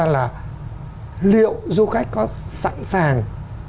là liệu du khách có sẵn sàng